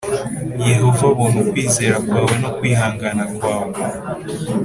Yehova abona ukwizera kwawe no kwihangana kwawe